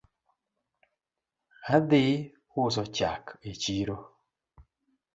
Adhi uso chak e chiro